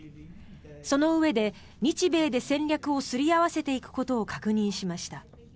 そのうえで日米で戦略をすり合わせていくことを確認しました。